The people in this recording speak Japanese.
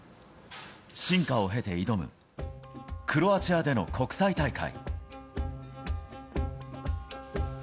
進化を経て挑む、クロアチアでの国際大会。